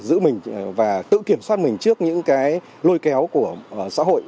giữ mình và tự kiểm soát mình trước những cái lôi kéo của xã hội